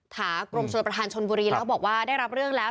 ถามกรมชนประธานชนบุรีแล้วก็บอกว่าได้รับเรื่องแล้ว